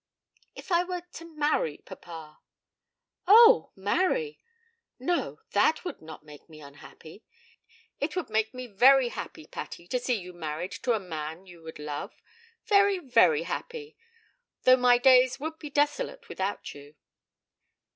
'If I were to marry, papa?' 'Oh, marry! No; that would not make me unhappy. It would make me very happy, Patty, to see you married to a man you would love; very, very happy; though my days would be desolate without you.'